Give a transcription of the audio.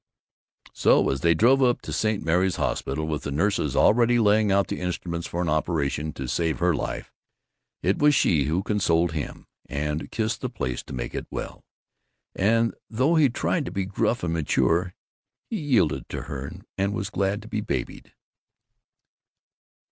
So, as they drove up to St. Mary's Hospital, with the nurses already laying out the instruments for an operation to save her life, it was she who consoled him and kissed the place to make it well, and though he tried to be gruff and mature, he yielded to her and was glad to be babied.